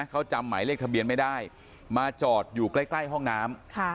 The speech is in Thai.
เขาจำหมายเลขทะเบียนไม่ได้มาจอดอยู่ใกล้ห้องน้ำ